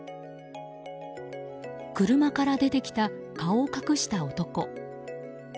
車から出てきた顔を隠した男。